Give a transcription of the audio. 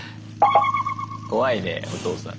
怖いねおとうさん。